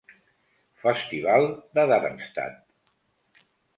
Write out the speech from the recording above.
Festival de Darmstadt.